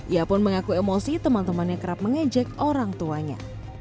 ia pun mengaku emosi teman temannya kerap mengejek orang tuanya